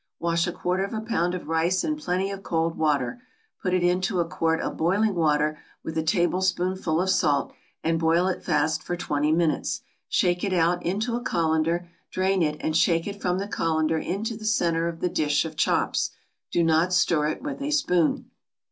= Wash a quarter of a pound of rice in plenty of cold water, put it into a quart of boiling water with a tablespoonful of salt, and boil it fast for twenty minutes; shake it out into a colander, drain it, and shake it from the colander into the centre of the dish of chops; do not stir it with a spoon.